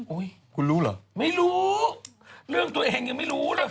คุณรู้เหรอไม่รู้เรื่องตัวเองยังไม่รู้เลย